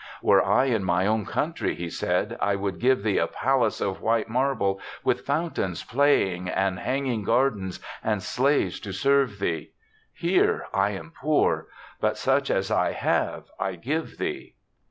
"Were I in my own country," he said, " I would give thee a palace of white marble, with fountains playing and hanging gardens and slaves to serve thee. Here I am poor; but such as I have I give thee."